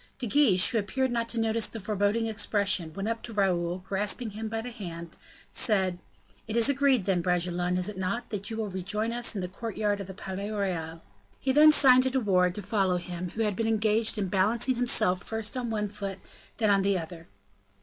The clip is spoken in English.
De Guiche, who appeared not to notice the foreboding expression, went up to Raoul, and grasping him by the hand, said, "It is agreed, then, Bragelonne, is it not, that you will rejoin us in the courtyard of the Palais Royal?" He then signed to De Wardes to follow him, who had been engaged in balancing himself first on one foot, then on the other.